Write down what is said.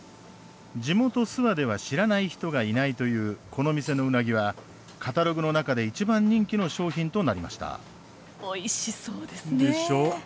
地元諏訪では知らない人がいないという、この店のうなぎはカタログの中でいちばん人気の商品となりました。